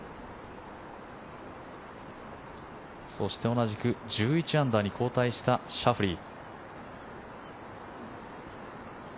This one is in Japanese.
そして同じく１１アンダーに後退したシャフリー。